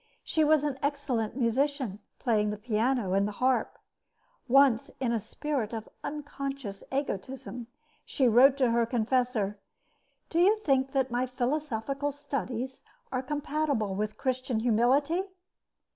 She was an excellent musician, playing the piano and the harp. Once, in a spirit of unconscious egotism, she wrote to her confessor: Do you think that my philosophical studies are compatible with Christian humility?